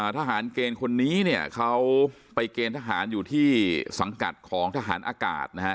ทหารเกณฑ์คนนี้เนี่ยเขาไปเกณฑ์ทหารอยู่ที่สังกัดของทหารอากาศนะฮะ